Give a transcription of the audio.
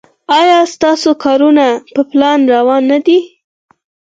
ایا ستاسو کارونه په پلان روان نه دي؟